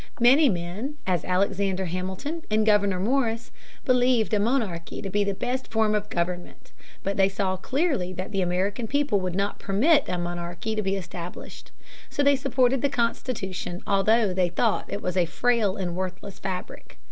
Many men, as Alexander Hamilton and Gouverneur Morris, believed a monarchy to be the best form of government. But they saw clearly that the American people would not permit a monarchy to be established. So they supported the Constitution although they thought that it was "a frail and worthless fabric."